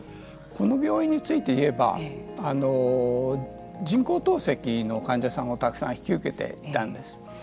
この病院について言えば人工透析の患者さんをたくさん引き受けていたんです。